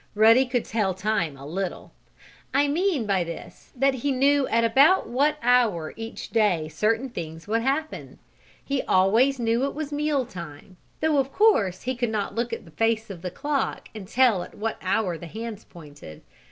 Ruddy could tell time a little. I mean, by this, that he knew at about what hour each day certain things would happen. He always knew it was meal time, though of course he could not look at the face of the clock and tell at what hour the hands pointed.